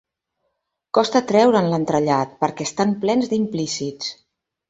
Costa treure'n l'entrellat perquè estan plens d'implícits.